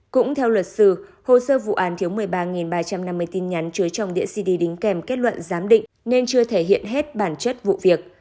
cũng theo luật sư hồ sơ vụ án thiếu một mươi ba ba trăm năm mươi tin nhắn chứa trong địa cd đính kèm kết luận giám định nên chưa thể hiện hết bản chất vụ việc